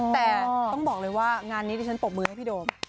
แต่ต้องบอกเลยว่างานนี้ดิฉันปรบมือให้พี่โดม